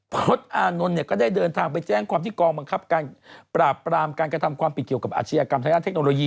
อานนท์เนี่ยก็ได้เดินทางไปแจ้งความที่กองบังคับการปราบปรามการกระทำความผิดเกี่ยวกับอาชญากรรมทางด้านเทคโนโลยี